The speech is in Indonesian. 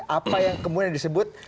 apa yang kemudian disebut